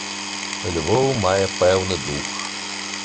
Львоў мае пэўны дух.